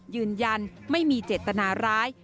ยืนยันไม่มีเจตนาร้าย